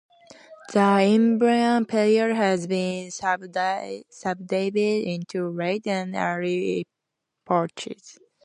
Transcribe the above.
The Imbrian period has been subdivided into Late and Early epochs.